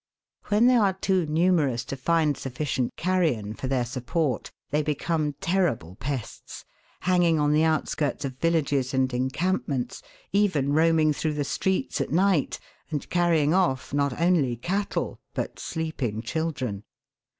When they are too numerous to find sufficient carrion for their support, they become terrible pests, hanging on the outskirts of villages and encampments, even roaming through the streets at night and carrying off not only cattle but sleeping children.